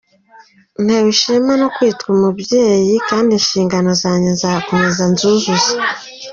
Ntewe ishema no kwitwa umubyeyi kandi inshingano zanjye nzakomeza nzuzuze”.